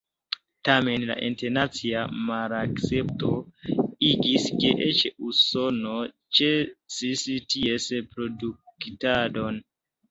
Tamen la internacia malakcepto igis, ke eĉ Usono ĉesis ties produktadon.